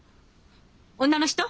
女の人？